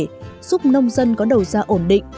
giúp nông dân có đầu gia ổn định